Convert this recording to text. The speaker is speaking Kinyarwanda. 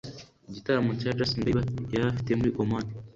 Igitaramo Justin Bieber yari afite muri Oman